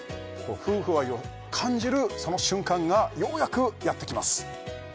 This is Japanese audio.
夫婦愛を感じるその瞬間がようやくやってきます